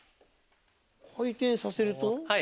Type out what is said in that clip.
回転させると？